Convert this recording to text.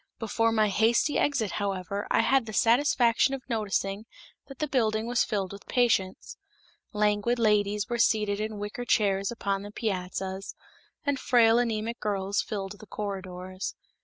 Before my hasty exit, however, I had the satisfaction of noticing that the building was filled with patients. Languid ladies were seated in wicker chairs upon the piazzas, and frail anemic girls filled the corridors.